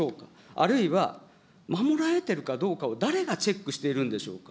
あるいは守られているかどうかを、誰がチェックしているんでしょうか。